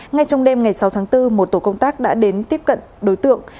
ngay trong đêm ngày sáu tháng bốn một tổ công tác đã đến tiếp cận đối tượng